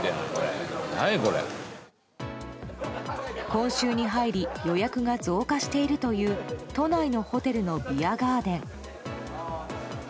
今週に入り予約が増加しているという都内のホテルのビアガーデン。